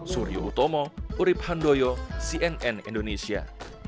suryo utomo urib handoyo cnn indonesia